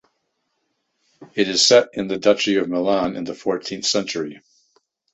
It is set in the Duchy of Milan in the fourteenth century.